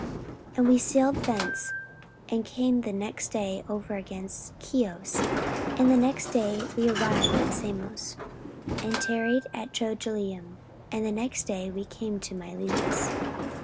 44:020:015 And we sailed thence, and came the next day over against Chios; and the next day we arrived at Samos, and tarried at Trogyllium; and the next day we came to Miletus.